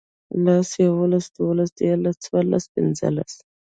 لس، يوولس، دوولس، ديارلس، څوارلس، پينځلس